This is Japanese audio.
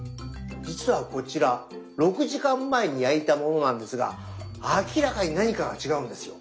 実はこちら６時間前に焼いたものなんですが明らかに何かが違うんですよ。